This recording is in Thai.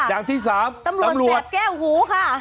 อย่างที่สามตำรวจแก้วหูค่ะ